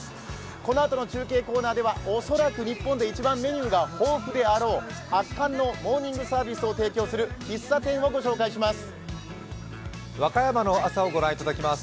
このあとの中継コーナーでは恐らく日本で一番メニューが豊富であろう、圧巻のモーニングサービスを提供する喫茶店をご紹介します。